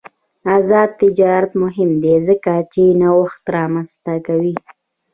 آزاد تجارت مهم دی ځکه چې نوښت رامنځته کوي.